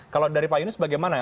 kalau dari pak yunus bagaimana ya